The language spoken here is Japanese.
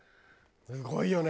すごいよね。